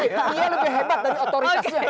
dia lebih hebat dari otoritasnya